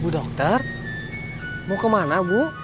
bu dokter mau kemana bu